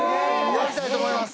やりたいと思います。